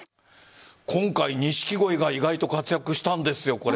今回、錦鯉が意外と活躍したんですよ